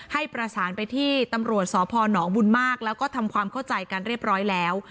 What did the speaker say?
ให้ประสานไปที่ตำรวจสพนบุญมากแล้วก็ทำความเข้าใจกันเรียบร้อยแล้ว